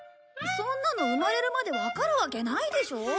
そんなの生まれるまでわかるわけないでしょ。